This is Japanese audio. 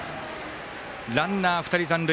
ランナー２人残塁。